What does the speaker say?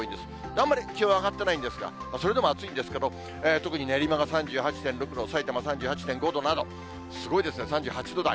あんまり気温上がってないんですが、それでも暑いんですけど、特に練馬が３８．６度、さいたま３８．５度など、すごいですね、３８度台。